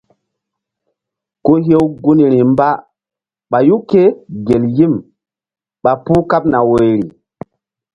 Ku hew gunri mba ɓayu kégel yim ɓa puh kaɓna woyri.